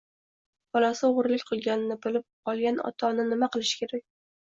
Bolasi o‘g‘rilik qilganini bilib qolgan ota-ona nima qilishlari kerak